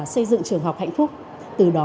xây dựng trường học hạnh phúc từ đó